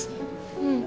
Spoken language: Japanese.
うん。